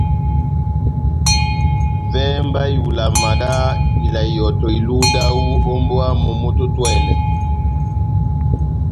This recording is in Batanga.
Vɛhɛ mba ihulama dá ivala ihɔtɔ iluhu dáwu ó mbówa momó tɛ́h otwɛ́nɛ́.